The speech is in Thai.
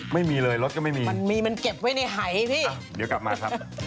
ไม่มีเลยรถก็ไม่มีมันมีมันเก็บไว้ในหายพี่เดี๋ยวกลับมาครับ